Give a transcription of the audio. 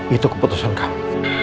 itu keputusan kamu